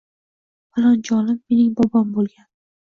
“Falonchi olim mening bobom bo‘lgan.